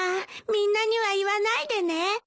みんなには言わないでね。